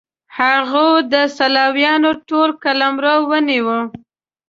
هغوی د سلاویانو ټول قلمرو ونیو.